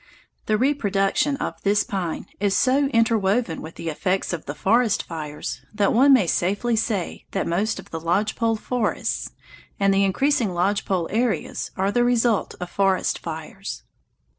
The reproduction of this pine is so interwoven with the effects of the forest fires that one may safely say that most of the lodge pole forests and the increasing lodge pole areas are the result of forest fires.